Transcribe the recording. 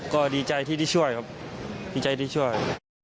ก็ดีใจที่ได้ช่วยครับดีใจที่ช่วย